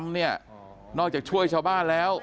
ไม่เป็นไรเนาะแจงเขากังหาแล้ว